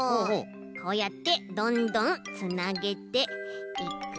こうやってどんどんつなげていくと。